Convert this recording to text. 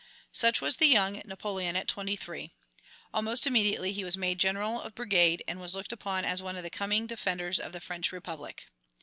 Such was the young Napoleon at twenty three. Almost immediately he was made general of brigade, and was looked upon as one of the coming defenders of the French Republic.